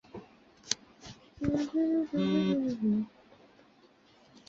崇祯七年考中甲戌科进士。